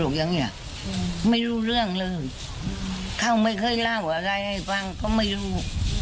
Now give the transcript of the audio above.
เขาไม่เคยเล่าอะไรให้ฟังก็ไม่รู้